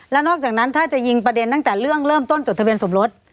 แล้วนอกจากนั้นถ้าจะยิงประเด็นตั้งแต่เรื่องเริ่มต้นจดทะเบียนสมรส